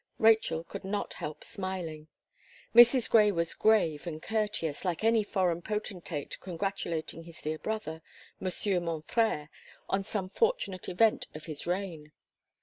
Rachel could not help smiling. Mrs. Gray was grave and courteous, like any foreign potentate congratulating his dear brother, Monsieur mon frere, on some fortunate event of his reign.